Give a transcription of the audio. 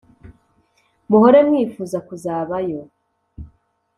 muhore mwifuza—kuzabayo.